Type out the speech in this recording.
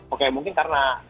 oke mungkin karena